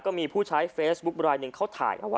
ก็มีผู้ใช้เฟซบุ๊คบรายเทศ